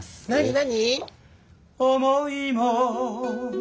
何？